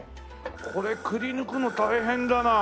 これくりぬくの大変だなあ。